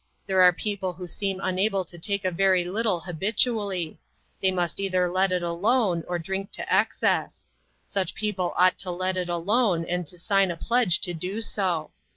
There are people who seem unable to take a very little habitually ; they must either let it alone, or drink to excess. Such peo ple ought to let it alone, and to sign a pledge to do so.